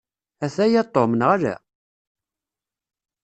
Ataya Tom, neɣ ala?